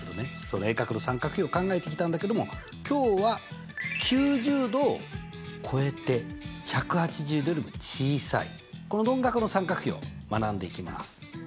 その鋭角の三角比を考えてきたんだけれども今日は９０°を超えて１８０°よりも小さいこの鈍角の三角比を学んでいきます。